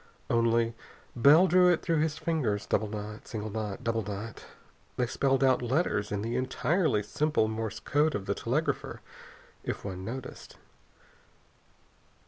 Only, Bell drew it through his fingers. Double knot, single knot, double knot.... They spelled out letters in the entirely simple Morse code of the telegrapher, if one noticed.